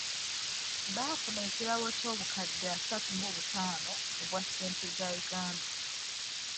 Baafuna ekirabo kya bukadde asatu mu buttaano obwa ssente za Uganda.